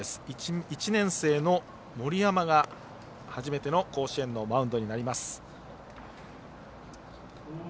１年生の森山が初めての甲子園のマウンドになります。